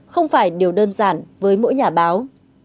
không phải điều đơn giản với mỗi nhà báo